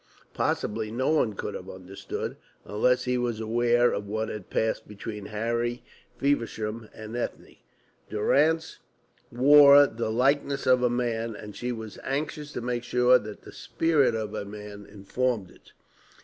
Possibly no one could have understood unless he was aware of what had passed between Harry Feversham and Ethne. Durrance wore the likeness of a man, and she was anxious to make sure that the spirit of a man informed it.